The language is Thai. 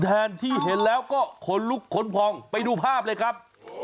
แทนที่เห็นแล้วก็ขนลุกขนพองไปดูภาพเลยครับ